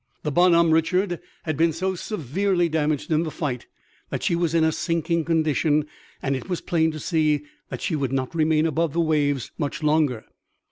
The Bonhomme Richard had been so severely damaged in the fight that she was in a sinking condition and it was plain to see that she would not remain above the waves much longer.